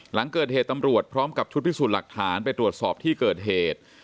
หลังเกิดเหตุตำรวจพร้อมกับชุดพิสูจน์หลักฐานไปตรวจสอบที่เกิดเหตุ